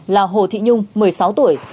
là hồ thị nhung một mươi sáu tuổi